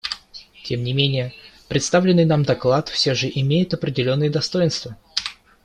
Тем не менее представленный нам доклад все же имеет определенные достоинства.